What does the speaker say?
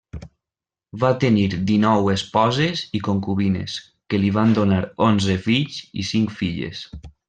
Va tenir dinou esposes i concubines, que li van donar onze fills i cinc filles.